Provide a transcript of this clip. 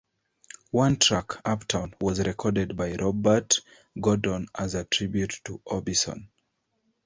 One track, "Uptown", was recorded by Robert Gordon as a tribute to Orbison.